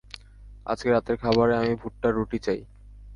আজকে রাতের খাবারে আমি ভুট্টার রুটি চাই!